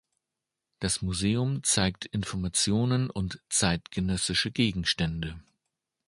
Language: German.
Das Museum zeigt Informationen und zeitgenössische Gegenstände.